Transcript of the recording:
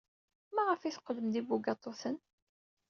Maɣef ay teqqlem d ibugaṭuten?